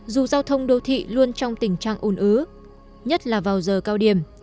dù giao thông đô thị luôn trong tình trạng ồn ứ nhất là vào giờ cao điểm